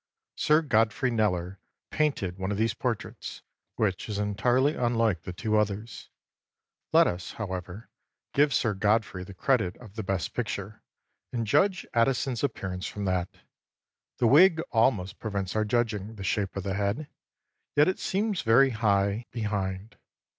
Sir Godfrey Kneller painted one of these portraits, which is entirely unlike the two others; let us, however, give Sir Godfrey the credit of the best picture, and judge Addison's appearance from that. The wig almost prevents our judging the shape of the head, yet it seems very high behind.